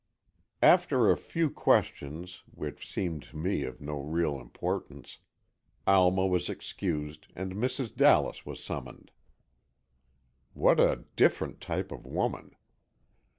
After a few questions, which seemed to me of no real importance, Alma was excused and Mrs. Dallas was summoned. What a different type of woman!